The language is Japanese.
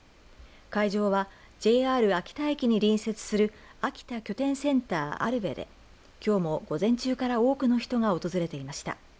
会場はＪＲ秋田駅に隣接する秋田拠点センターＡＬＶＥできょうも午前中から多くの人が訪れていました。